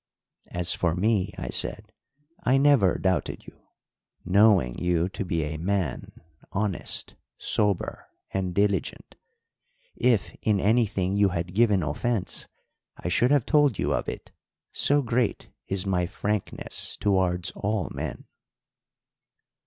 "'As for me,' I said, 'I never doubted you, knowing you to be a man, honest, sober, and diligent. If in anything you had given offence I should have told you of it, so great is my frankness towards all men.'